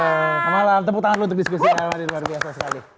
selamat malam tepuk tangan lu untuk diskusinya